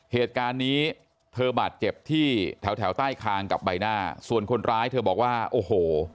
เหตุการณ์นี้เธอบาดเจ็บที่แถวแถวใต้คางกับใบหน้าส่วนคนร้ายเธอบอกว่าโอ้โห